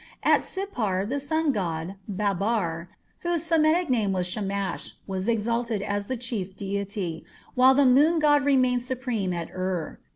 At Sippar the sun god, Babbar, whose Semitic name was Shamash, was exalted as the chief deity, while the moon god remained supreme at Ur.